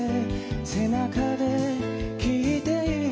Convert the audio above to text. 「背中できいている」